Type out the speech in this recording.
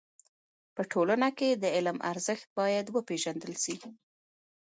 په ټولنه کي د علم ارزښت بايد و پيژندل سي.